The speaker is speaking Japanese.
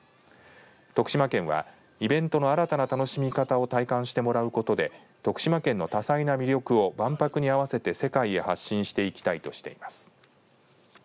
徳島県はイベントの新たな楽しみ方を体感してもらうことで徳島県の多彩な魅力を万博に合わせて世界へ発信していきたいとしています。